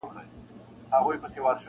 چي د تاج دي سو دښمن مرګ یې روا دی-